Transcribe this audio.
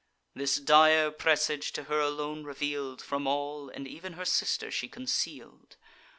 This dire presage, to her alone reveal'd, From all, and ev'n her sister, she conceal'd.